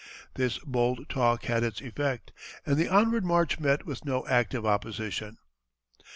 This bold talk had its effect, and the onward march met with no active opposition.